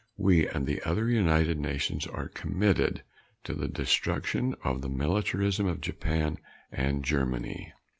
We and the other United Nations are committed to the destruction of the militarism of Japan and Germany.